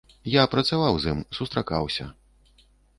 Я працаваў з ім, сустракаўся.